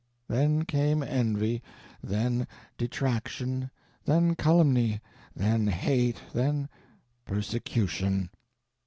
Then came envy; then detraction; then calumny; then hate; then persecution.